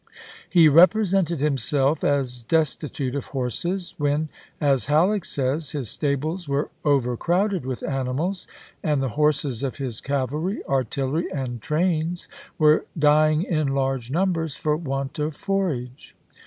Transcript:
He represented himself as destitute of horses when, as Halleck says, his stables were over i2portfer crowded with animals and the horses of his Vol." XXX.; cavalry, artillery, and trains were dying in large p 37." numbers for want of forage.